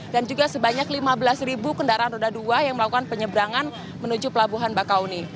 dan juga sebanyak lima belas ribu kendaraan roda dua yang melakukan penyeberangan menuju pelabuhan bakauni